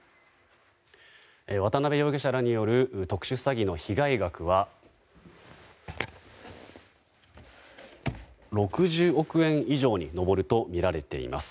渡邉容疑者らによる特殊詐欺の被害額は６０億円以上に上るとみられています。